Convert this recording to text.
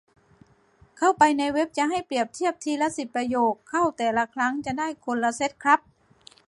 เข้าไปในเว็บจะให้เปรียบเทียบทีละสิบประโยค เข้าแต่ละครั้งจะได้คนละเซ็ตครับ